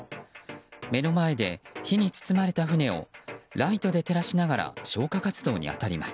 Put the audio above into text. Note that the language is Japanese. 目の前で火に包まれた船をライトで照らしながら消火活動に当たります。